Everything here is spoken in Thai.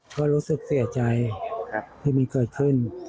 ก็รู้สึกเสียใจที่มันเกิดขึ้น